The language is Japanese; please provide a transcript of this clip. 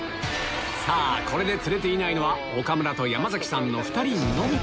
さぁこれで釣れていないのは岡村と山さんの２人のみ５０１００。